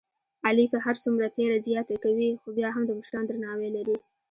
علی که هرڅومره تېره زیاته کوي، خوبیا هم د مشرانو درناوی لري.